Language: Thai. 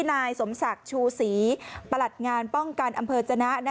นายสมศักดิ์ชูศรีประหลัดงานป้องกันอำเภอจนะ